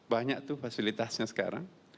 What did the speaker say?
banyak tuh fasilitasnya sekarang